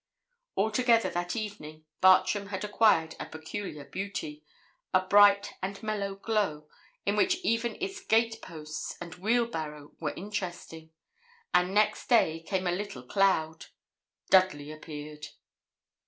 Altogether that evening Bartram had acquired a peculiar beauty a bright and mellow glow, in which even its gate posts and wheelbarrow were interesting, and next day came a little cloud Dudley appeared.